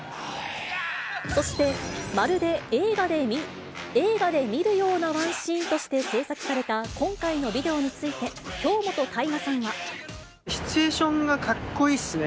そして、まるで映画で見るようなワンシーンとして制作された、今回のビデシチュエーションがかっこいいっすね。